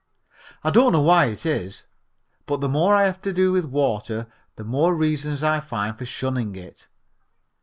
I don't know why it is, but the more I have to do with water the more reasons I find for shunning it.